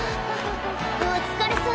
お疲れさん。